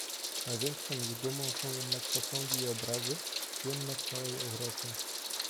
"Największą ich dumą są jednak posągi i obrazy, słynne w całej Europie."